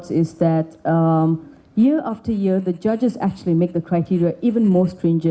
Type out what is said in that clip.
tahun ke tahun penerima mengatakan bahwa kriteria tersebut lebih tertinggi